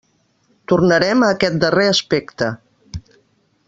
Tornarem a aquest darrer aspecte.